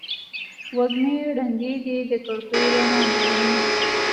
وږمې ړندې دي د کړکېو رڼا نه ویني